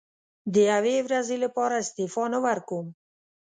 د یوې ورځې لپاره استعفا نه ورکووم.